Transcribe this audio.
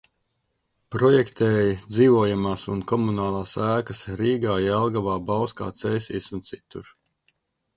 Projektēja dzīvojamās un komunālās ēkas Rīgā, Jelgavā, Bauskā, Cēsīs un citur.